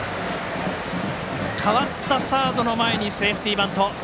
代わったサードの前にセーフティーバント。